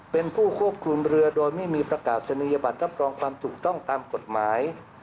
เป็นผู้ควบคุมเรือโดยไม่มีประกาศนียบัตรรับรองความถูกต้องตามกฎหมาย